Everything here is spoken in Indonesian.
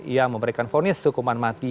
ia memberikan fonis hukuman mati